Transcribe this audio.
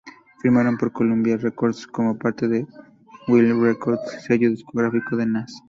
Firmaron por Columbia Records como parte de Ill Will Records, sello discográfico de Nas.